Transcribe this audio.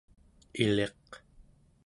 iliq